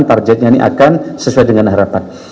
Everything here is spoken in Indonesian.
targetnya ini akan sesuai dengan harapan